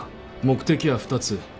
目的は２つ。